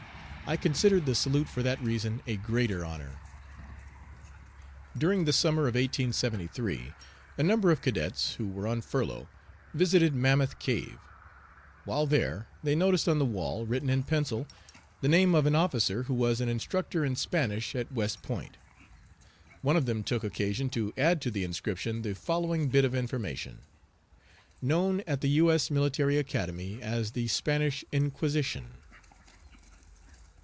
I considered the salute for that reason a greater honor. During the summer of 1873 a number of cadets, who were on furlough, visited Mammoth Cave. While there they noticed on the wall, written in pencil, the name of an officer who was an instructor in Spanish at West Point. One of them took occasion to add to the inscription the following bit of information: "Known at the U. S. Military Academy as the 'Spanish Inquisition.'"